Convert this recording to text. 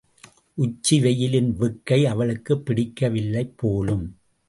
உச்சி வெயிலின் வெக்கை அவளுக்குப் பிடிக்க வில்லைபோலும்!